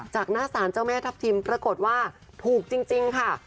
จากหน้าสารเจ้าแม่ทัพทิมปรากฏว่าถูกจริงค่ะ